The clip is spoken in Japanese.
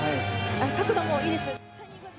角度もいいです。